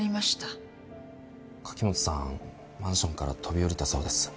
マンションから飛び降りたそうです。